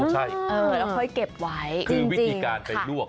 อ๋อใช่ค่อยเก็บไว้จริงค่ะค่ะคือวิธีการไปลวก